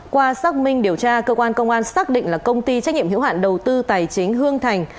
qua xác minh điều tra cơ quan công an xác định là công ty trách nhiệm hiệu hạn đầu tư tài chính hương thành